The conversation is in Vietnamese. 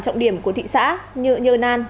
trọng điểm của thị xã như nhơn an